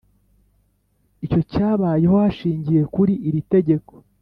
Icyo cyabayeho hashingiwe kuri iri itegeko